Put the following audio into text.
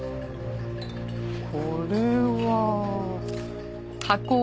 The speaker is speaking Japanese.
これは。